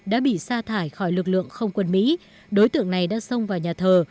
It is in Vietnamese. đã bị xa thải khỏi lực lượng không quân mỹ đối tượng này đã xông vào nhà thờ